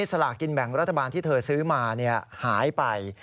สลากินแบ่งรัฐบาลที่เธอซื้อมาหายไป